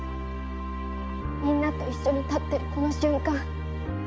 みんなと一緒に立ってるこの瞬間